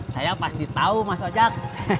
saya pasti tau mas wajak